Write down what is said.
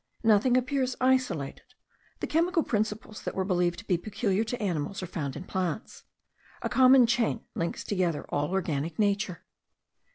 Nothing appears isolated; the chemical principles that were believed to be peculiar to animals are found in plants; a common chain links together all organic nature.